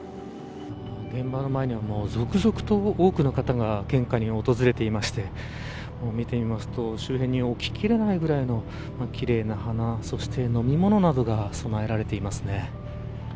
現場の前には、続々と多くの方が献花に訪れていまして見てみますと周辺に置ききれないぐらいの奇麗な花そして飲み物などが供えられていますね。